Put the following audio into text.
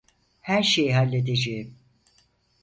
Her şeyi halledeceğim.